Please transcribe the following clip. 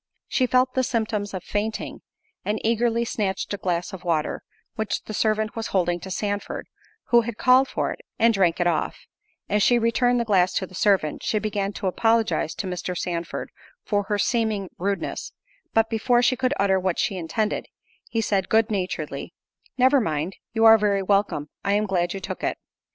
She felt the symptoms of fainting, and eagerly snatched a glass of water, which the servant was holding to Sandford, who had called for it, and drank it off;—as she returned the glass to the servant, she began to apologize to Mr. Sandford for her seeming rudeness, but before she could utter what she intended, he said, good naturedly, "Never mind—you are very welcome—I am glad you took it."